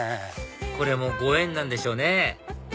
これもご縁なんでしょうね